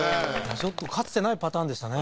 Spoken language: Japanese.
ちょっとかつてないパターンでしたね